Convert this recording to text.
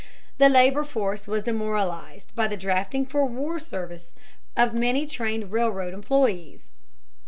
The labor force was demoralized by the drafting for war service of many trained railroad employees.